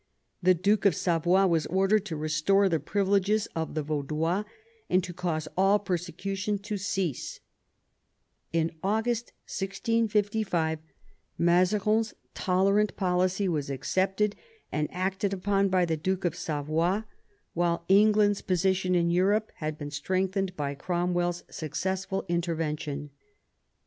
The Duke of Savoy was ordered to restore the privileges of the Vaudois, and to cause all persecution to cease. In August 1655 Mazarin's tolerant policy was accepted and acted upon by the Duke of Savoy, while England's VII SPANISH WAR AND ENGLISH ALLIANCE 183 position in Europe had been strengthened by Crom well's successful intervention.